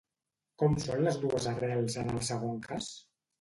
Com són les dues arrels en el segon cas?